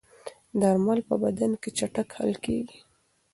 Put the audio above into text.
درمل په بدن کې چټک حل کېږي.